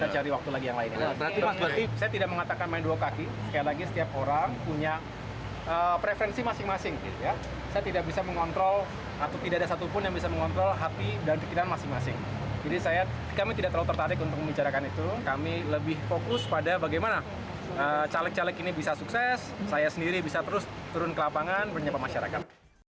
jadi caleg caleg ini bisa sukses saya sendiri bisa terus turun ke lapangan bernyapa masyarakat